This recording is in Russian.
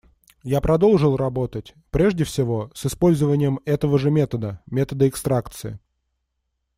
Я продолжил работать, прежде всего, с использованием этого же метода — метода экстракции.